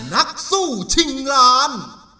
นักสู้ชิงล้าน